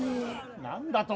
・何だと？